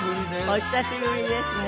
お久しぶりですね。